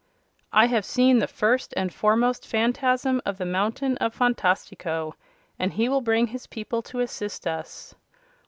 "I have seen the First and Foremost Phanfasm of the Mountain of Phantastico, and he will bring his people to assist us."